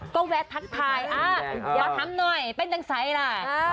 ก็แวะถักชายอ่ะยังมาหน่อยทั้งในใสน่ะ